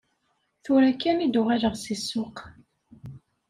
Tura kan i d-uɣaleɣ si ssuq.